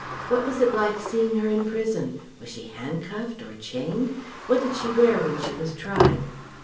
What was it like seeing her in prison? Was she handcuffed? Or chained? What did she wear when she was tried?"